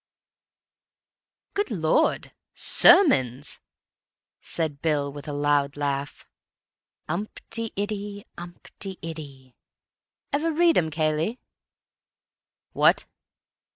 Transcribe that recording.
"Good Lord! Sermons!" said Bill, with a loud laugh. (Umpt y iddy umpt y iddy) "Ever read 'em, Cayley?" "What?"